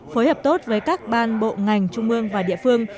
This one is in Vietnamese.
phối hợp tốt với các ban bộ ngành trung mương và địa phương